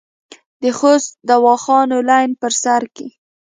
د خوست دواخانو لین بر سر کې